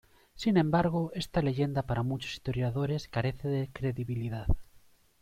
Sin embargo, esta leyenda para muchos historiadores carece de credibilidad.